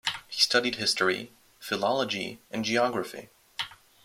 He studied history, philology, and geography.